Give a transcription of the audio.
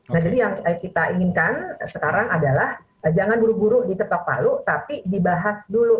nah jadi yang kita inginkan sekarang adalah jangan buru buru diketok palu tapi dibahas dulu